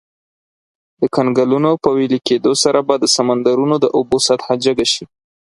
د کنګلونو په ویلي کیدو سره به د سمندرونو د اوبو سطحه جګه شي.